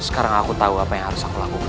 sekarang aku tahu apa yang harus aku lakukan